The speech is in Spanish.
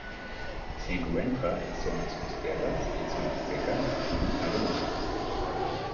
Se encuentra en zonas costeras, en zonas secas y arenosas.